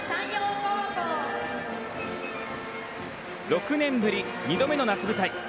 ６年ぶり２度目の夏舞台。